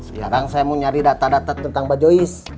sekarang saya mau nyari data data tentang mbak joyce